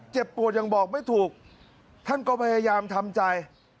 ปวดยังบอกไม่ถูกท่านก็พยายามทำใจ